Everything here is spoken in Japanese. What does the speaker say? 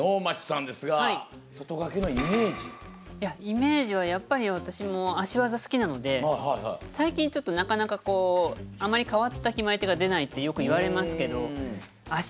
イメージはやっぱり私も足技好きなので最近ちょっとなかなかあまり変わった決まり手が出ないってよく言われますけど。